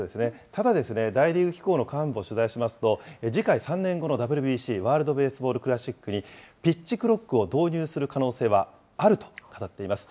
ただですね、大リーグ機構の幹部を取材しますと、次回３年後のＷＢＣ・ワールドベースボールクラシックにピッチクロックを導入する可能性はあると語っています。